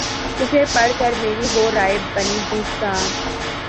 اسے پڑھ کر میری وہ رائے بنی جس کا